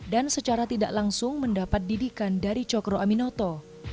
dan secara tidak langsung mendapat didikan dari cokro aminoto